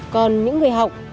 còn những người học